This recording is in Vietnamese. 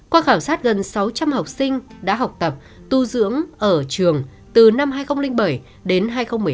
qua khảo sát gần sáu trăm linh học sinh đã học tập tu dưỡng ở trường từ năm hai nghìn bảy đến hai nghìn một mươi tám